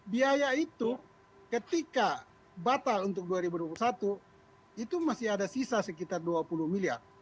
biaya itu ketika batal untuk dua ribu dua puluh satu itu masih ada sisa sekitar dua puluh miliar